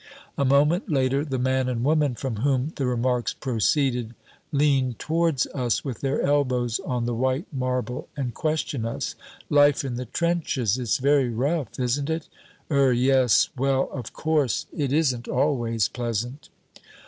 A moment later, the man and woman from whom the remarks proceeded lean towards us with their elbows on the white marble and question us: "Life in the trenches, it's very rough, isn't it?" "Er yes well, of course, it isn't always pleasant."